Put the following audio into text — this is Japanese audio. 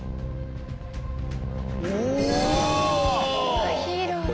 うわヒーローだ。